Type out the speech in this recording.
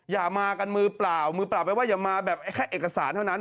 อย่ามากันมือเปล่ามือเปล่าแปลว่าอย่ามาแบบแค่เอกสารเท่านั้น